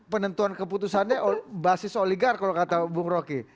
penentuan keputusannya basis oligar kalau kata bung rocky